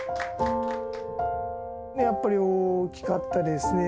やっぱり大きかったですね、